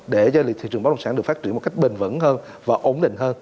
để cho thị trường bất đồng sản được phát triển một cách bền vững hơn và ổn định hơn